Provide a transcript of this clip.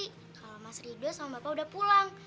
kalau mas ridho sama bapak udah pulang